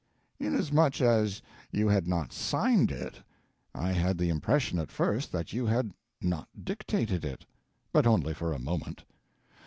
Inasmuch as you had not signed it I had the impression at first that you had not dictated it. But only for a moment.